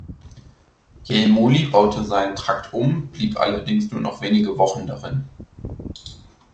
Jelmoli baute seinen Trakt um, blieb allerdings nur noch wenige Wochen darin.